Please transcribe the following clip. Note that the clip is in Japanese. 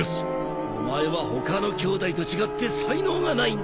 お前は他のきょうだいと違って才能がないんだ。